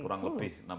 kurang lebih enam juta